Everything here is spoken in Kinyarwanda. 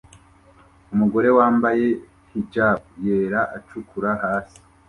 Umugore wambaye hijab yera acukura hasi